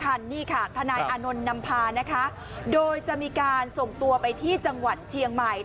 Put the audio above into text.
นี่ค่ะทนายอานนท์นำพานะคะโดยจะมีการส่งตัวไปที่จังหวัดเชียงใหม่